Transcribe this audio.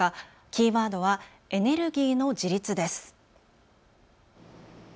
キーワードはエネルギーの自立です。